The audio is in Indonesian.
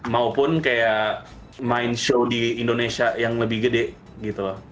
maupun kayak main show di indonesia yang lebih gede gitu loh